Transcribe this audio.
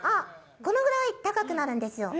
このぐらい高くなるんですよ。